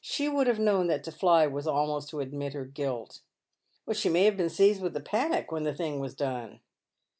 She would have known that to fly was almost to admit her guilt." " She may have been seized with a panic when the thing was done."